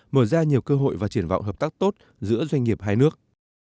mở ra nhiều cơ hội và triển vọng hợp tác tốt giữa doanh nghiệp hai nước